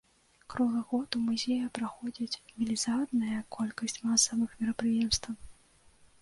Круглы год у музеі праходзіць велізарная колькасць масавых мерапрыемстваў.